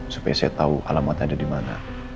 supaya saya tahu alamat ada di mana